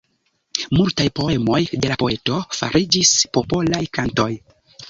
Multaj poemoj de la poeto fariĝis popolaj kantoj.